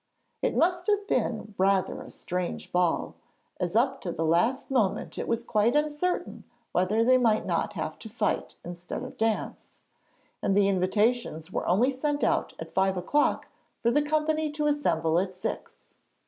It must have been rather a strange ball, as up to the last moment it was quite uncertain whether they might not have to fight instead of dance, and the invitations were only sent out at five o'clock for the company to assemble at six.